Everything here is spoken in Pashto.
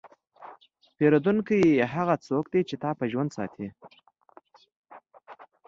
پیرودونکی هغه څوک دی چې تا په ژوند ساتي.